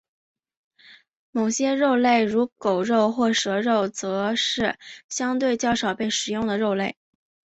某些肉类如狗肉或蛇肉则是相对较少被食用的肉类。